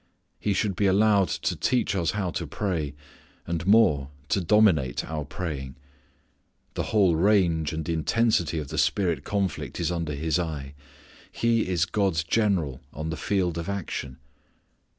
He should be allowed to teach us how to pray and more, to dominate our praying. The whole range and intensity of the spirit conflict is under His eye. He is God's General on the field of action.